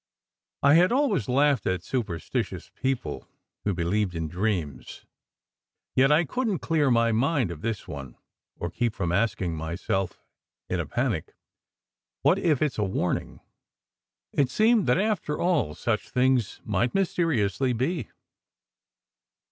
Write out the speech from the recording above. I had always laughed at superstitious people who believed in dreams, yet I couldn t clear my mind of this one, or keep from asking myself in a panic, "What if it s a warning?" It seemed that after all such things might mysteriously be.